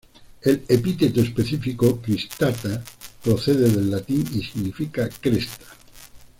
El epíteto específico "cristata" procede del latín y significa cresta.